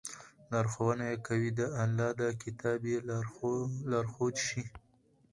لارښوونه ئې كوي، د الله دا كتاب ئې لارښود شي